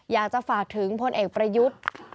อยากจะฝากถึงพลเอกประยุทธ์